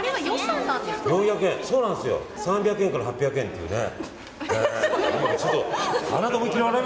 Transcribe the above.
３００円から８００円というね。